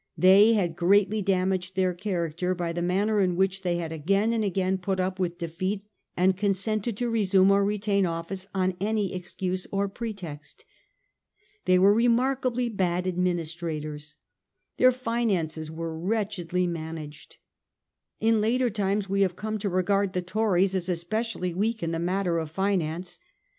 They had greatly damaged their character by the manner in which they had again and again put up with defeat and consented to resume or retain office on any excuse or pretext. They were remark ably bad administrators ; their finances were wretch edly managed. In later times we have come to regard the Tories as especially weak in the matter of finance.